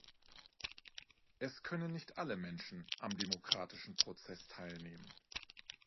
Es können nicht alle Menschen am demokratischen Prozess teilnehmen.